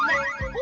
お！